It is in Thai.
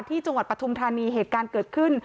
ที่จังหวัดประทุมธรรมนี้เหตุการณ์เกิดขึ้น